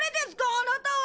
あなたは！